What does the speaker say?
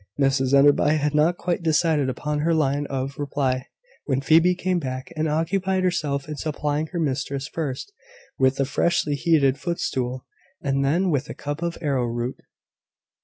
Mrs Enderby had not quite decided upon her line of reply, when Phoebe came back, and occupied herself in supplying her mistress, first with a freshly heated footstool, and then with a cup of arrowroot.